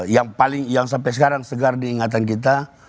yang paling yang sampai sekarang segar diingatan kita